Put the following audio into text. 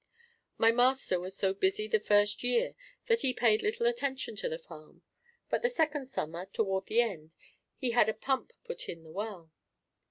My master was so busy the first year that he paid little attention to the farm, but the second summer, toward the end, he had a pump put in the well.